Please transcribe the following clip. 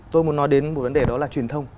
tôi muốn nói đến một vấn đề đó là truyền thông